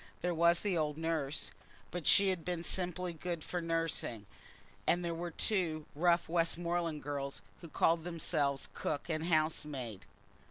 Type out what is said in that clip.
There was the old nurse, but she had been simply good for nursing, and there were two rough Westmoreland girls who called themselves cook and housemaid.